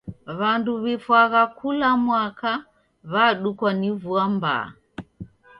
W'andu w'ifwagha kula mwaka w'adukwa ni vua mbaa.